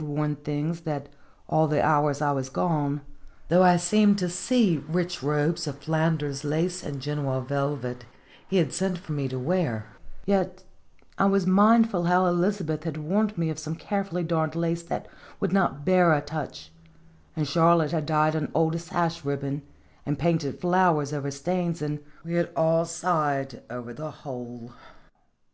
59 worn things, that all the hours I was gone, though I seemed to see rich robes of Flanders lace and Genoa velvet he had sent for me to wear, yet I was mindful how Elizabeth had warned me of some carefully darned lace that would not bear a touch, and Charlotte had dyed an old sash ribbon, and painted flowers over stains, and we had all sighed over the whole.